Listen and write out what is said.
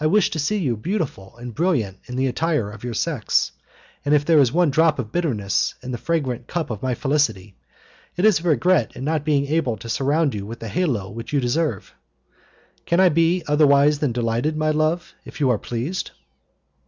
I wish to see you beautiful and brilliant in the attire of your sex, and if there is one drop of bitterness in the fragrant cup of my felicity, it is a regret at not being able to surround you with the halo which you deserve. Can I be otherwise than delighted, my love, if you are pleased?"